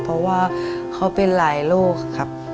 เพราะว่าเขาเป็นหลายโรคครับ